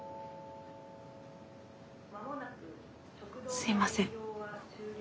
すみません。